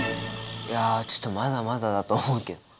いやちょっとまだまだだと思うけど。